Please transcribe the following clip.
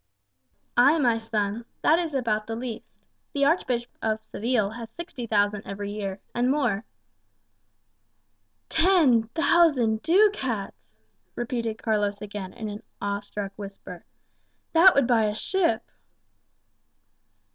"Ay, my son, that is about the least. The Archbishop of Seville has sixty thousand every year, and more." "Ten thousand ducats!" Carlos repeated again in a kind of awe struck whisper. "That would buy a ship."